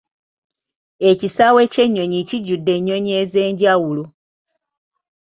Ekisaawe ky'ennyonyi kijjudde ennyonyi ez'enjawulo.